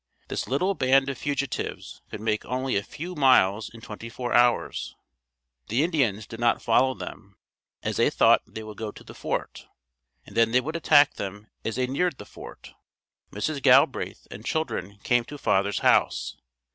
This little band of fugitives could make only a few miles in twenty four hours. The Indians did not follow them, as they thought they would go to the fort, and then they would attack them as they neared the fort. Mrs. Galbraith and children came to father's house.